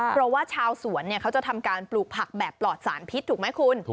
เพราะว่าชาวสวนเขาจะทำการปลูกผักแบบปลอดสารพิษถูกไหมคุณ